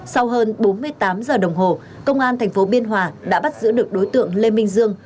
sau hơn bốn mươi tám h đồng hồ công an thành phố biên hòa đã bắt giữ được đối tượng lê minh dương